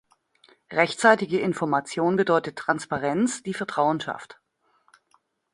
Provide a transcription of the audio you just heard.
Rechtzeitige Information bedeutet Transparenz, die Vertrauen schafft.